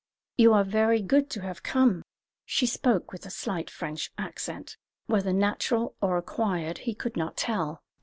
"You are very good to have come." She spoke with a slight French accent, whether natural or acquired he could not tell.